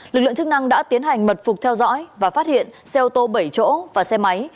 lực lượng chức năng đã tiến hành mật phục theo dõi và phát hiện xe ô tô bảy chỗ và xe máy